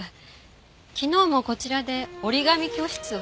昨日もこちらで折り紙教室を。